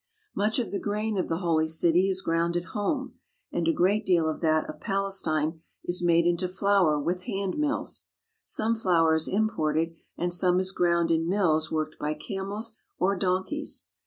Much of the grain of the Holy City is ground at home and a great deal of that of Palestine is made into flour with hand mills. Some flour is imported and some is ground in mills worked by camels or donkeys.